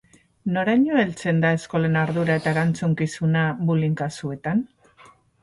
Noraino heltzen da eskolen ardura eta erantzunkizuna bullying kasuetan?